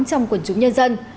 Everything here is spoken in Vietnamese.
trong quần chúng nhân dân